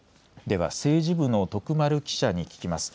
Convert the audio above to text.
では政治部の徳丸記者に聞きます。